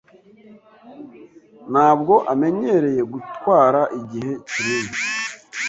Ntabwo amenyereye gutwara igihe kinini.